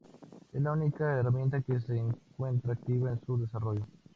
Es la única herramienta que se encuentra activa en su desarrollo.